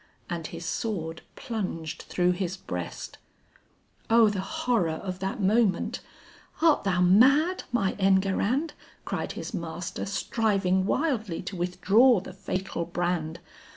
and his sword plunged through his breast. O the horror of that moment! "Art thou mad my Enguerrand?" Cried his master, striving wildly to withdraw the fatal brand.